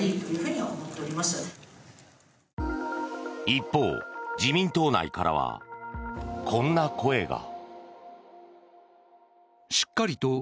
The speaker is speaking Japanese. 一方、自民党内からはこんな声が。